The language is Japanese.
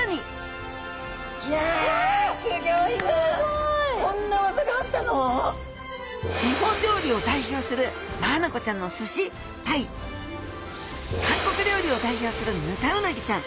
すごい！日本料理をだいひょうするマアナゴちゃんのすし対韓国料理をだいひょうするヌタウナギちゃん！